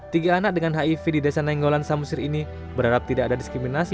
tiga anak dengan hiv di desa nainggolan samosir ini berharap tidak ada diskriminasi